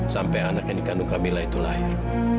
sampai anak yang dikandung camilla itu lahir